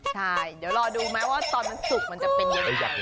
ใช่เดี๋ยวรอดูไหมว่าตอนมันสุกมันจะเป็นยังไง